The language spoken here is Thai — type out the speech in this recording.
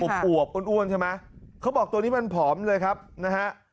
ใช่ค่ะอวบอวบอ้วนอ้วนใช่ไหมเขาบอกตัวนี้มันผอมเลยครับนะฮะ